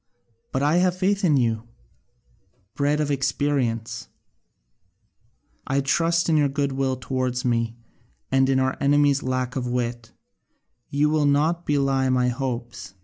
But I have faith in you, bred of experience: I trust in your goodwill towards me, and in our enemy's lack of wit; you will not belie my hopes.